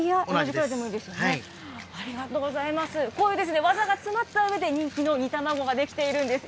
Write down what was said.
こういう技が詰まったうえで、人気の煮卵が出来ているんです。